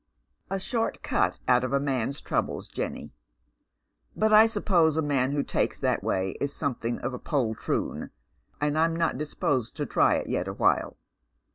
" A short cut out of a man's troubles, Jenny. But I suppose a man who takes that way is something of a poltroon, and I'm not disposed to try it yet awhile.